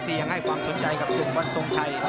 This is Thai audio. ที่ยังให้ความสนใจกับศึกวันทรงชัย